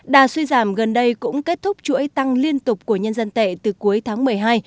đà suy giảm gần đây cũng kết thúc chuỗi tăng liên tục của nhân dân tệ từ cuối tháng một mươi hai